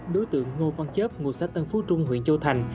đối tượng ngô văn chớp ngụ xã tân phú trung huyện châu thành